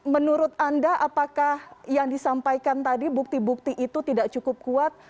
menurut anda apakah yang disampaikan tadi bukti bukti itu tidak cukup kuat